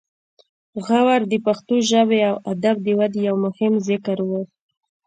غور د پښتو ژبې او ادب د ودې یو مهم مرکز و